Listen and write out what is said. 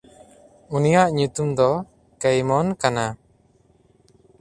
ᱩᱱᱤᱭᱟᱜ ᱧᱩᱛᱩᱢ ᱫᱚ ᱠᱮᱭᱢᱚᱱ ᱠᱟᱱᱟ᱾